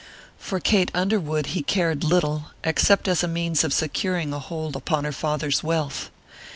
For Kate Underwood he cared little, except as a means of securing a hold upon her father's wealth.